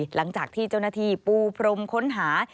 หลังจากที่เจ้าหน้าที่ปูพรมค้นหา